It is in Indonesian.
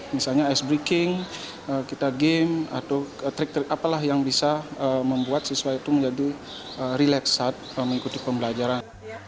misalnya icebreaking kita game atau trik trik apalah yang bisa membuat siswa itu menjadi relax saat mengikuti pembelajaran